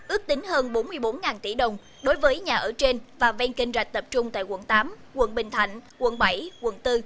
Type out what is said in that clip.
ước tính hơn bốn mươi bốn tỷ đồng đối với nhà ở trên và ven kênh rạch tập trung tại quận tám quận bình thạnh quận bảy quận bốn